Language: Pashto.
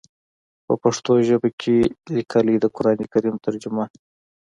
پۀ پښتو ژبه کښې ليکلی د قران کريم ترجمه